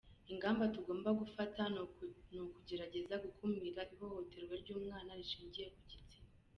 Ingamba tugomba gufata ni ukugerageza gukumira ihohoterwa ry’umwana rishingiye ku gitsina.